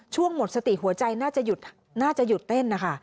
ช่วงหมดสติหัวใจน่าจะหยุดเต้นนะคะ